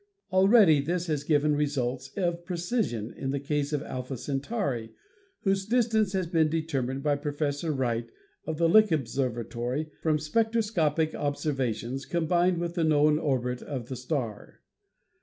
Already this has given results of precision in the case of Alpha Cen tauri, whose distance has been determined by Professor Wright, of the Lick Observatory, from spectroscopic ob servations combined with the known orbit of the star.